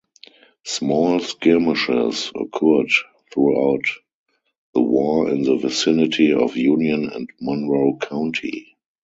Small skirmishes occurred throughout the war in the vicinity of Union and Monroe County.